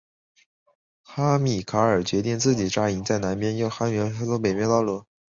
哈米尔卡决定自己扎营在南边而汉尼拔则封锁北面道路。